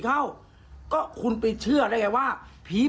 สายลูกไว้อย่าใส่